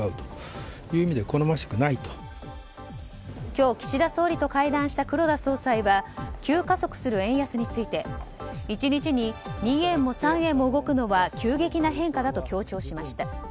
今日、岸田総理と会談した黒田総裁は急加速する円安について１日に２円も３円も動くのは急激な変化だと強調しました。